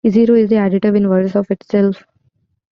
Zero is the additive inverse of itself.